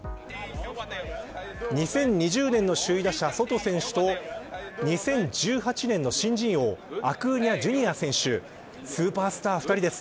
２０２０年の首位打者ソト選手と２０１８年の新人王アクーニャＪｒ．選手スーパースター２人です。